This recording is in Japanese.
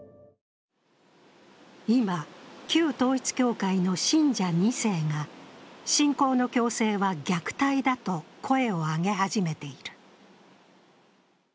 今、旧統一教会の信者２世が信仰の強制は虐待だと声を上げ始めている。